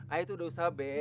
ayah tuh udah usaha be